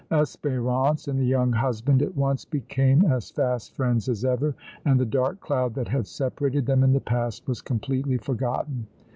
Espérance and the young husband at once became as fast friends as ever, and the dark cloud that had separated them in the past was completely forgotten.